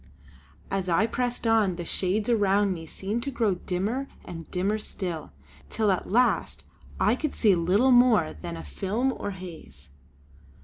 As I pressed on, the shades around me seemed to grow dimmer and dimmer still; till at the last I could see little more than a film or haze.